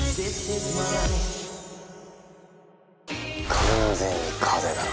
完全に風邪だな。